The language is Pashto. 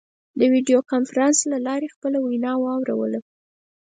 د ویډیو کنفرانس له لارې خپله وینا واوروله.